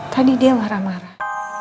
tadi dia marah marah